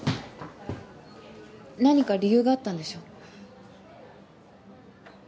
何か理由があったんでしょ？